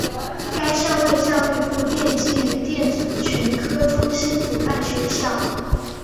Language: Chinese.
该校为教育部电机与电子群科中心主办学校。